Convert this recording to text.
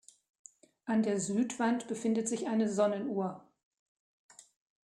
An der Südwand befindet sich eine Sonnenuhr.